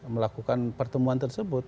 melakukan pertemuan tersebut